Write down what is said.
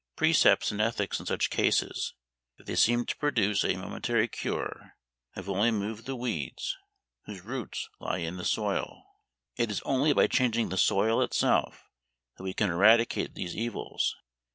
Precepts and ethics in such cases, if they seem to produce a momentary cure, have only moved the weeds, whose roots lie in the soil. It is only by changing the soil itself that we can eradicate these evils.